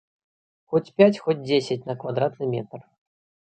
Хоць пяць, хоць дзесяць на квадратны метр.